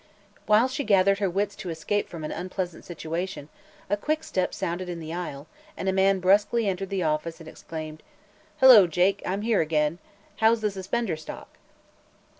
While she gathered her wits to escape from an unpleasant situation, a quick step sounded on the aisle and a man brusquely entered the office and exclaimed: "Hello, Jake; I'm here again. How's the suspender stock?"